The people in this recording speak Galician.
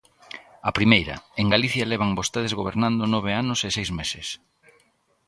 A primeira: en Galicia levan vostedes gobernando nove anos e seis meses.